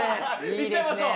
いっちゃいましょう！